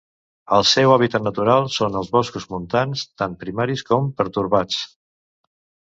El seu hàbitat natural són els boscos montans, tant primaris com pertorbats.